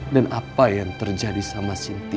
dan apa yang terjadi sama sinti